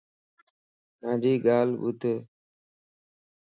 مانجي ڳالھه ٻڌ